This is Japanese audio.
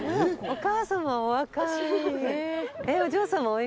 お母様お若い。